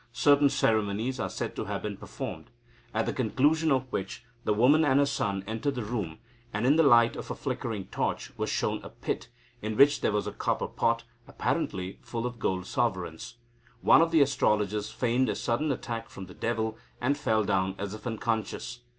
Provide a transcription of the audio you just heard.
Certain ceremonies are said to have been performed, at the conclusion of which the woman and her son entered the room, and, in the light of a flickering torch, were shown a pit, in which there was a copper pot, apparently full of gold sovereigns. One of the astrologers feigned a sudden attack from the devil, and fell down as if unconscious.